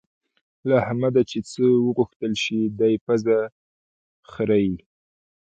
له احمده چې څه وغوښتل شي؛ دی پزه خرېي.